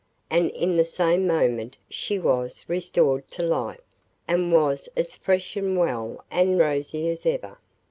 and in the same moment she was restored to life, and was as fresh and well and rosy as ever.